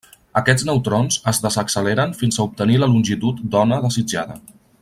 Aquests neutrons es desacceleren fins a obtenir la longitud d'ona desitjada.